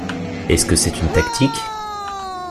Est-ce que c'est une tactique?